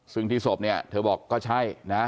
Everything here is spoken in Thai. ซึ่งที่ศพเนี่ยเธอบอกก็ใช่นะฮะ